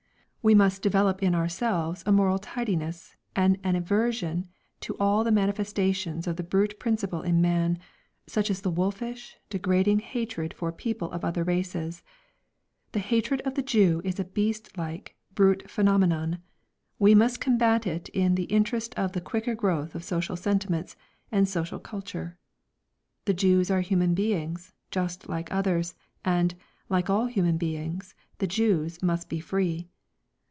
"We must develop in ourselves a moral tidiness, and an aversion to all the manifestations of the brute principle in man, such as the wolfish, degrading hatred for people of other races. The hatred of the Jew is a beastlike, brute phenomenon; we must combat it in the interests of the quicker growth of social sentiments and social culture. "The Jews are human beings, just like others, and, like all human beings, the Jews must be free.